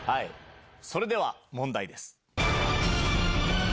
それでは問題です。